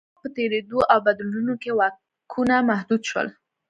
د وخت په تېرېدو او بدلونونو کې واکونه محدود شول